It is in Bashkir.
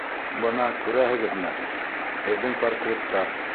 Бына, күрәһегеҙме, һеҙҙең портреттар...